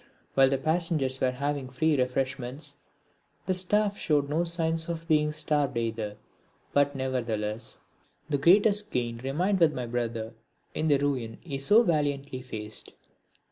While the passengers were having free refreshments, the staff showed no signs of being starved either, but nevertheless the greatest gain remained with my brother in the ruin he so valiantly faced.